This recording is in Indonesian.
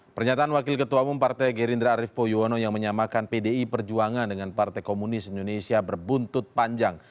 pernyataan wakil ketua umum partai gerindra arief poyuono yang menyamakan pdi perjuangan dengan partai komunis indonesia berbuntut panjang